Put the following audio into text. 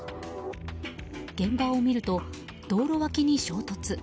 現場を見ると、道路脇に衝突。